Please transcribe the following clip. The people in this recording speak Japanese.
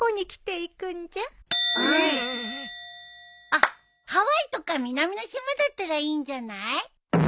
あっハワイとか南の島だったらいいんじゃない？